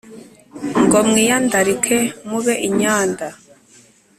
ngo mwiyandarike mube inyanda